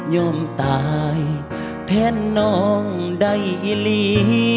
ยอมตายแทนน้องใดหลี